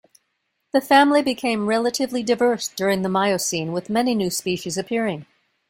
The family became relatively diverse during the Miocene, with many new species appearing.